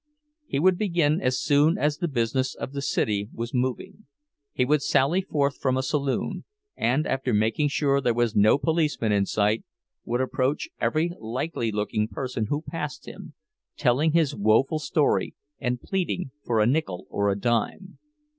He would begin as soon as the business of the city was moving. He would sally forth from a saloon, and, after making sure there was no policeman in sight, would approach every likely looking person who passed him, telling his woeful story and pleading for a nickel or a dime.